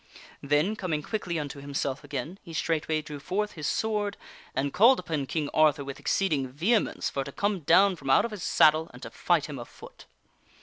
Then, coming quickly unto himself again, he straightway drew forth his sword and called upon King Arthur with ex ceeding vehemence for to come down from out of his saddle, and to fight him afoot.